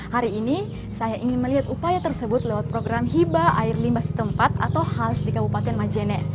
hari ini saya ingin melihat upaya tersebut lewat program hiba air limbah setempat atau hals di kabupaten majene